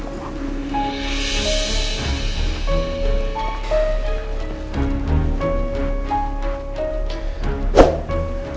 aku juga gak nyangka